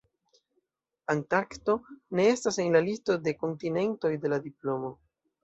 Antarkto ne estas en la listo de kontinentoj de la diplomo.